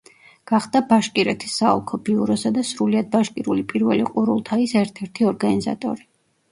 გახდა ბაშკირეთის საოლქო ბიუროსა და სრულიად ბაშკირული პირველი ყურულთაის ერთ-ერთი ორგანიზატორი.